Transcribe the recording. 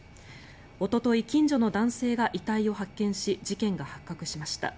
おととい、近所の男性が遺体を発見し事件が発覚しました。